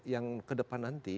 yang ke depan nanti